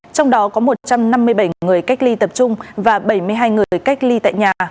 trong đó có một trăm năm mươi bảy người cách ly tập trung và bảy mươi hai người cách ly tại nhà